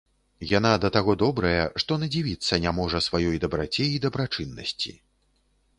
Яна да таго добрая, што надзівіцца не можа сваёй дабраце і дабрачыннасці.